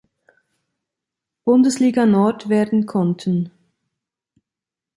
Bundesliga Nord werden konnten.